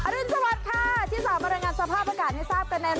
รุนสวัสดิ์ค่ะที่สามารถรายงานสภาพอากาศให้ทราบกันแน่